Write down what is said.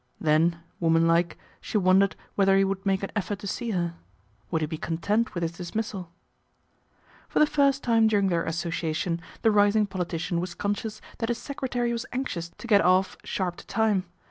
Then, woman like, she wondered whether he would make an effort to see her. Would he be content with his dismissal ? For the first time during their association, the rising politician was conscious that his secretary was anxious to get off sharp to time.